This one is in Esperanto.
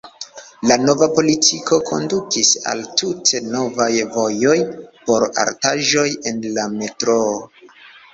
La nova politiko kondukis al tute novaj vojoj por artaĵoj en la metroo.